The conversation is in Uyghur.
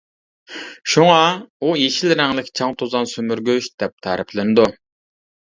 شۇڭا، ئۇ «يېشىل رەڭلىك چاڭ-توزان سۈمۈرگۈچ» دەپ تەرىپلىنىدۇ.